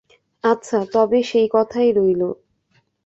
আচ্ছা, তবে সেই কথাই রইল।